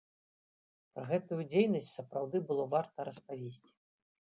Пра гэтую дзейнасць сапраўды было варта распавесці.